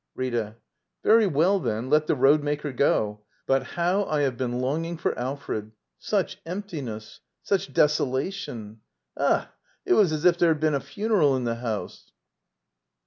RjTA. Very well, then; let the road maker go. — But how I have been longing for Alfred! Such emptiness! Such desolation! Ugh, it was as if there had been a funeral in the house!